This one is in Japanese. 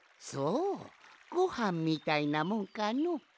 そうごはんみたいなもんかの。